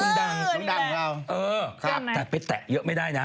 ลูกดังของเราใช่ไหมครับแต่เตะเยอะไม่ได้นะ